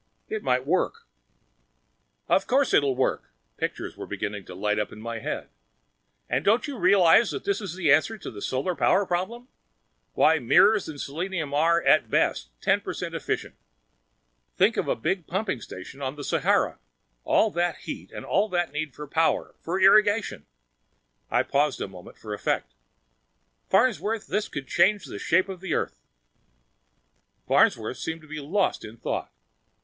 It might work." "Of course it'll work." Pictures were beginning to light up in my head. "And don't you realize that this is the answer to the solar power problem? Why, mirrors and selenium are, at best, ten per cent efficient! Think of big pumping stations on the Sahara! All that heat, all that need for power, for irrigation!" I paused a moment for effect. "Farnsworth, this can change the very shape of the Earth!" Farnsworth seemed to be lost in thought.